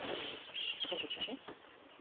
そん時はね。